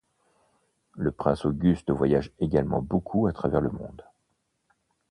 Le prince Auguste voyage également beaucoup à travers le monde.